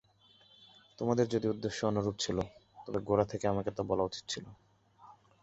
তোমাদের যদি উদ্দেশ্য অন্যরূপ ছিল, তবে গোড়া থেকে আমাকে তা বলা উচিত ছিল।